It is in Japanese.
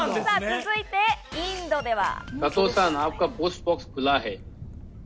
続いてインドでは。